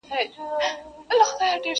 که هر څو مره زخیره کړې دینارونه سره مهرونه!!